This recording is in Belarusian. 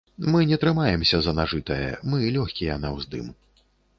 Мы не трымаемся за нажытае, мы лёгкія на ўздым.